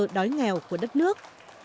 cơ đối nghèo của đất nước